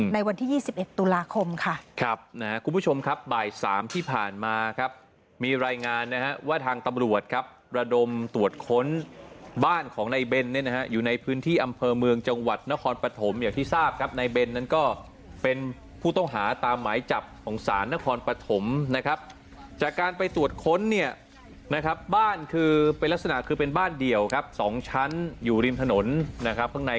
ในวันที่๒๑ตุลาคมค่ะครับนะครับคุณผู้ชมครับบ่าย๓ที่ผ่านมาครับมีรายงานนะฮะว่าทางตำรวจครับระดมตรวจค้นบ้านของในเบนเนี่ยนะฮะอยู่ในพื้นที่อำเภอเมืองจังหวัดนครปฐมอย่างที่ทราบครับในเบนนั้นก็เป็นผู้ต้องหาตามหมายจับของสารนครปฐมนะครับจากการไปตรวจค้นเนี่ยนะครับบ้านคือเป็นลักษณะคือ